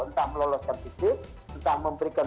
entah meloloskan fisik entah memberikan